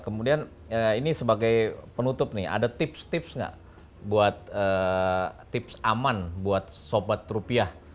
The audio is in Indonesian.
kemudian ini sebagai penutup nih ada tips tips nggak buat tips aman buat sobat rupiah